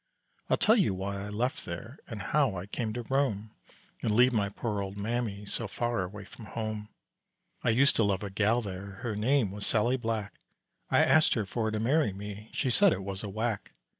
I'll tell you why I left there And how I came to roam, And leave my poor old mammy, So far away from home. I used to love a gal there, Her name was Sallie Black, I asked her for to marry me, She said it was a whack.